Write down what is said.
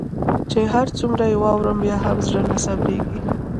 چي هر څومره يي واورم بيا هم زړه نه صبریږي